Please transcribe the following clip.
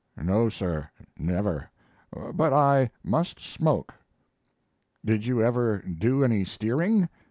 "No, sir, never; but I must smoke." "Did you ever do any steering?"